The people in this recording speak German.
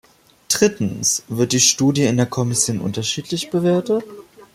Drittens, wird die Studie in der Kommission unterschiedlich bewertet?